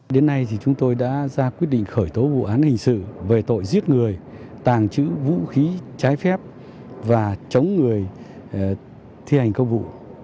đến nay thì chúng tôi đã ra quyết định khởi tố vụ án hình sự về tội giết người tàng trữ vũ khí trái phép và chống người thi hành công vụ